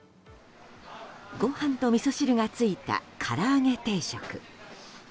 ごはんとみそ汁がついた唐揚げ定食。